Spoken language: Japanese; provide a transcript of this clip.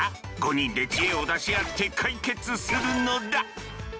５人で知恵を出し合って解決するのだ！